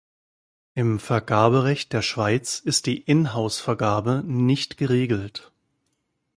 Im Vergaberecht der Schweiz ist die In-house-Vergabe nicht geregelt.